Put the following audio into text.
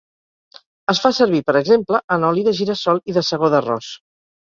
Es fa servir per exemple, en oli de gira-sol i de segó d’arròs.